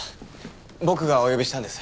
僕がお呼びしたんです。